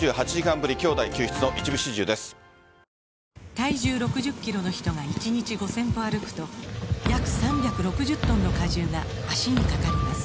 体重６０キロの人が１日５０００歩歩くと約３６０トンの荷重が脚にかかります